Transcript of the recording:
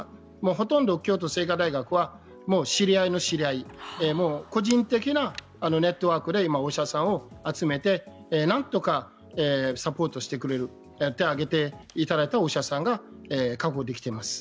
ほとんど京都精華大学は知り合いの知り合いもう個人的なネットワークで今、お医者さんを集めてなんとか、サポートしてくれる手を挙げていただいたお医者さんが確保できています。